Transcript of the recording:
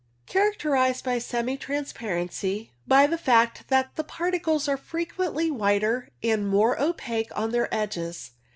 Characterized by semi transparency, by the fact that the particles are frequently whiter and more opaque on their edges.